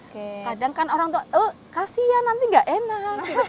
kadang kan orang itu oh kasian nanti enggak enak